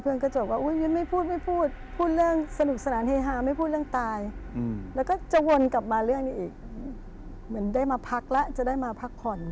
ก็จะบอกว่าอุ๊ยไม่พูดไม่พูดพูดเรื่องสนุกสนานเฮฮาไม่พูดเรื่องตายแล้วก็จะวนกลับมาเรื่องนี้อีกเหมือนได้มาพักแล้วจะได้มาพักผ่อน